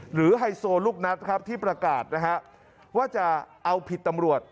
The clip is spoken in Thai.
หรือไฮโซลุคนัทที่ประกาศว่าจะเอาผิดตำรวจ